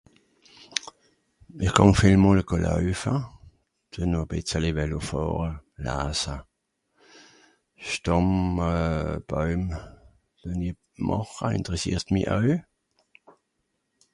ich gàng veelmol go läufe tue-n o bezeli vélo fàhre lasa Stàmm euh Bäum euh màche ìnteressiert mi äu